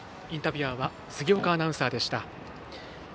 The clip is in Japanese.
インタビュアーは杉岡アナウンサーでした。